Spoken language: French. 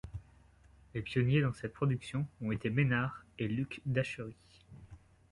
Les pionniers dans cette production ont été Ménard et Luc d'Achery.